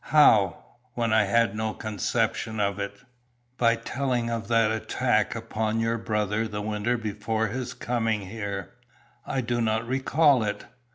"How? when I had no conception of it?" "By telling of that attack upon your brother the winter before his coming here." "I do not recall it."